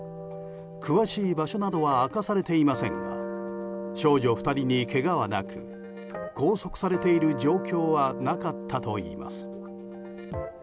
詳しい場所などは明かされていませんが少女２人にけがはなく拘束されている状況はなかったといいます。